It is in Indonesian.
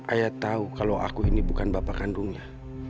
ayah tahu kalau aku ini bukan bapak kandungnya